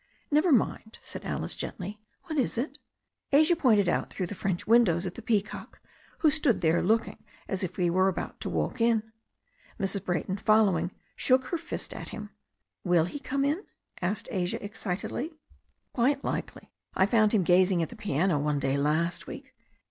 "Never mind," said Alice gently. "What is it?" Asia pointed through one of the French windows at the peacock, who stood there looking as if he were about to walk in. Mrs. Brayton, following, shook her fist at hinu 50 THE STORY OF A NEW ZEALAND RIVER "Will he come in?" asked Asia excitedly. "Quite likely. I found him gazing at the piano one day last week."